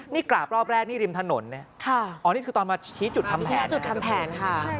นี่กราบรอบแรกนี่ริมถนนเนี่ยอ๋อนี่คือตอนมาชี้จุดทำแผนจุดทำแผนค่ะ